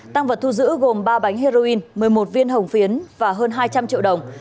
tăng vật thu giữ gồm ba bánh heroin một mươi một viên hồng phiến và hơn hai trăm linh triệu đồng